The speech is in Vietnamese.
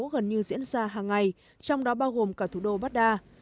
gần như diễn ra hàng ngày trong đó bao gồm cả thủ đô baghdad